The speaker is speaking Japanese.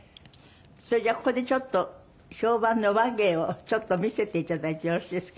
それじゃあここでちょっと評判の話芸をちょっと見せて頂いてよろしいですか？